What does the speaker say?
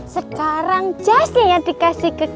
sekarang jasnya yang dikasih ke kak chandra